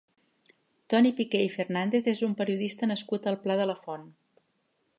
Toni Piqué i Fernàndez és un periodista nascut al Pla de la Font.